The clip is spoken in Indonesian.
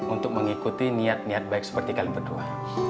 untuk mengikuti niat niat baik seperti kalian berdua